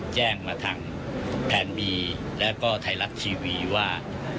แจ้งมาทางแพนบีแล้วก็ไทยรัฐทีวีว่า